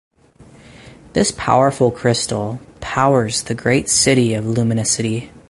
This powerful crystal powers the great city of Luminicity.